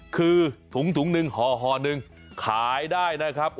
คือถุงถุงหนึ่งห่อหนึ่งขายได้นะครับ